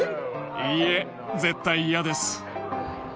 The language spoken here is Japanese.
いいえ絶対嫌です。